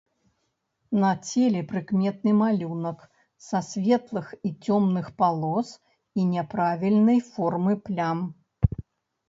На целе прыкметны малюнак са светлых і цёмных палос і няправільнай формы плям.